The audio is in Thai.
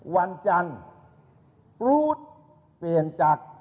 วันจันทร์ปรู๊ดเปลี่ยนจาก